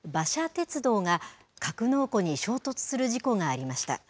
鉄道が格納庫に衝突する事故がありました。